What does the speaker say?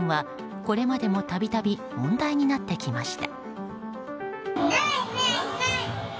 これまでも度々問題になってきました。